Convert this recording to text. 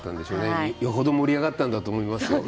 よほど盛り上がったと思いますよ。